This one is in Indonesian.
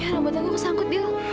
ya rambut aku kesangkut dil